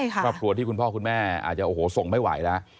ครอบครัวที่คุณพ่อคุณแม่อาจจะโอ้โหส่งไม่ไหวแล้ว